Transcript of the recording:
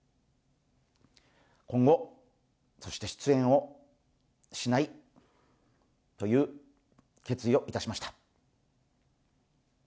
今後、そして出演をしないという決意をいたしました。